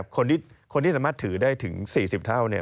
คนที่สามารถถือได้ถึง๔๐เท่า